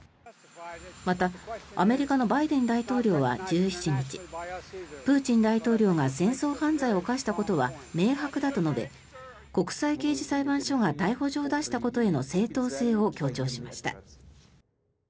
また、アメリカのバイデン大統領は１７日プーチン大統領が戦争犯罪を犯したことは明白だと述べ国際刑事裁判所が逮捕状を出したことへの正当性を強調しました。